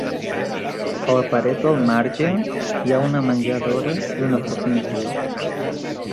A la paret del marge hi ha una menjadora i una fornícula.